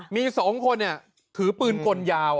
มี๒คนถือปืนกลยาว